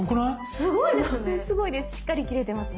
すごいですね。